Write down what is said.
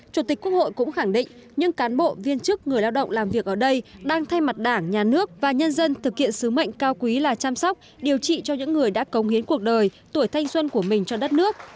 chủ tịch quốc hội cũng khẳng định những cán bộ viên chức người lao động làm việc ở đây đang thay mặt đảng nhà nước và nhân dân thực hiện sứ mệnh cao quý là chăm sóc điều trị cho những người đã công hiến cuộc đời tuổi thanh xuân của mình cho đất nước